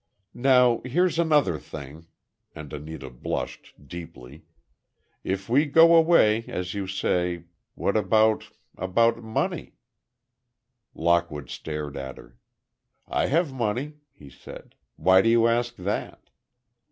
"Now, here's another thing," and Anita blushed, deeply, "if we go away—as you say—what about—about money?" Lockwood stared at her. "I have money," he said; "why do you ask that?"